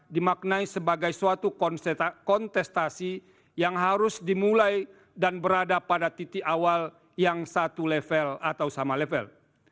dimaknai sebagai suatu kontestasi yang harus dimulai dan berada pada titik awal yang satu level atau sama level